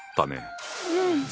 うん。